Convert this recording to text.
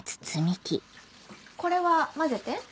これは混ぜて？